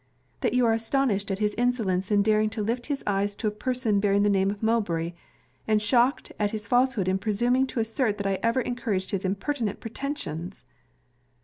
'That you are astonished at his insolence in daring to lift his eyes to a person bearing the name of Mowbray; and shocked at his falsehood in presuming to assert that I ever encouraged his impertinent pretensions!'